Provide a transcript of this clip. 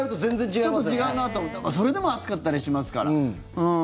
ちょっと違うなと思ってそれでも熱かったりしますから。